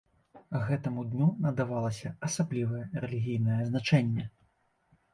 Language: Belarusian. Гэтаму дню надавалася асаблівае рэлігійнае значэнне.